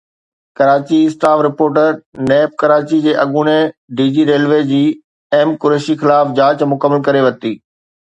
Karachi (staff reporter) NAB Karachi جي اڳوڻي D G railway G M Qureshi خلاف جاچ مڪمل ڪري ورتي